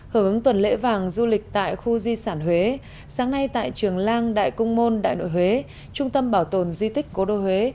hưởng ứng tuần lễ vàng du lịch tại khu di sản huế sáng nay tại trường lang đại cung môn đại nội huế trung tâm bảo tồn di tích cố đô huế